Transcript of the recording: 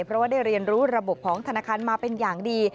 เพราะว่าได้เรียนรู้ระบบของธนาคารมาเป็นอย่างดี